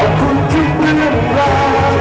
ขอบคุณทุกเรื่องราว